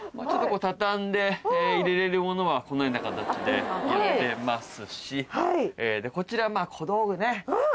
畳んで入れれるものはこのような形で入れてますしこちらは小道具ね。